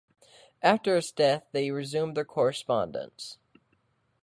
After his death they resumed their correspondence.